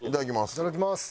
いただきます。